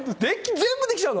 全部できちゃうの？